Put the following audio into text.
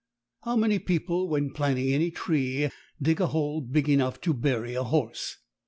How many people when planting any tree dig a hole big enough to bury a horse?